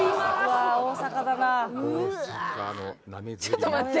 ちょっと待って。